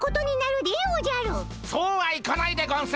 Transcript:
そうはいかないでゴンス！